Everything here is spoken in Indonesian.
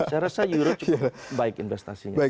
saya rasa euro cukup baik investasinya